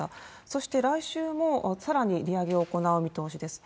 そして、来週もさらに利上げを行う見通しです。